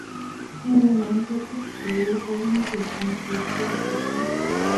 He remained with the Steeler organization for three seasons.